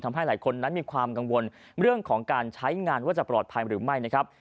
ทำให้หลายคนนั้นมีความกังวลเรื่องของการใช้งานว่าจะปลอดภัยหรือไม่นะครับ